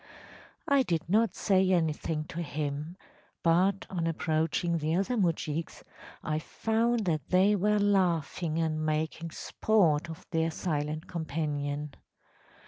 I did not say anything to him, but, on approaching the other moujiks, I found that they were laughing and making sport of their silent companion.